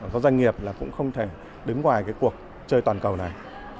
doanh nghiệp cũng không thể đứng ngoài cuộc chơi toàn cầu này